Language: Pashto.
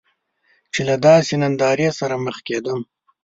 چې له داسې نندارې سره مخ کیدم.